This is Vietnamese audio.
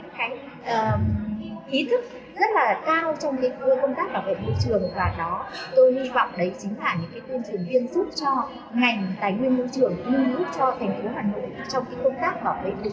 trong cái công tác bảo vệ môi trường